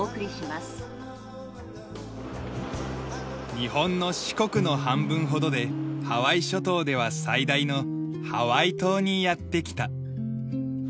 日本の四国の半分ほどでハワイ諸島では最大のハワイ島にやって来た。